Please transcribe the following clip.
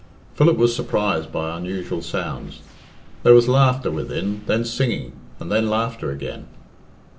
Philip was surprised by unusual sounds. There was laughter within, then singing, and then laughter again.